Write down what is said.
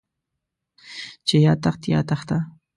چې يا تخت يا تخته.